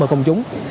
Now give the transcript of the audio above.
với công chúng